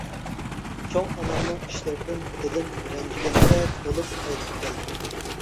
چوڭ ئانامنىڭ ئىشلىرىدىن دىلىم رەنجىگەندەك بولۇپ قايتىپ كەلدىم.